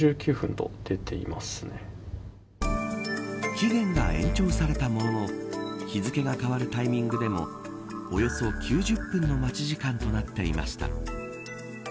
期限が延長されたものの日付が変わるタイミングでもおよそ９０分の待ち時間となっていました。